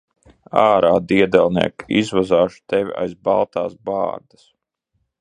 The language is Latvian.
Ārā, diedelniek! Izvazāšu tevi aiz baltās bārdas.